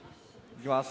いきます。